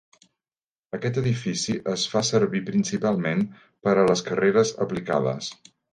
Aquest edifici es fa servir principalment per a les carreres aplicades.